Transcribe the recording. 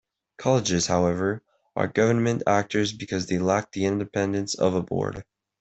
Colleges, however, are government actors because they lack the independence of a Board.